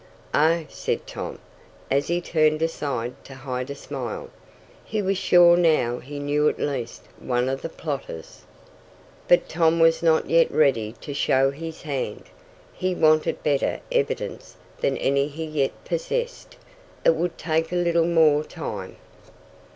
"Oh," said Tom, as he turned aside to hide a smile. He was sure now he knew at least one of the plotters. But Tom was not yet ready to show his hand. He wanted better evidence than any he yet possessed. It would take a little more time.